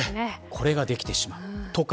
これができてしまうとか。